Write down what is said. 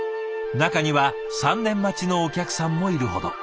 中には３年待ちのお客さんもいるほど。